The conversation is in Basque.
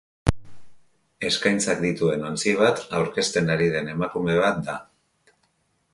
Eskaintzak dituen ontzi bat aurkezten ari den emakume bat da.